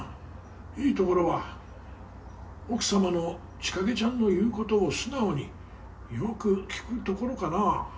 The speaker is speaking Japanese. いいところは奥様の千景ちゃんの言う事を素直によく聞くところかな」